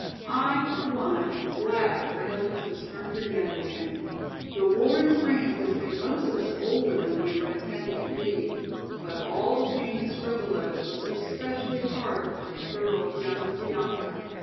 I for one am glad her illness has turned her young again. The war in France has made most of us older than we were intended to be, but all the pain and struggle of it was especially hard upon a girl young as Bianca.